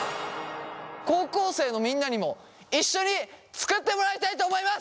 高校生のみんなにも一緒に作ってもらいたいと思います！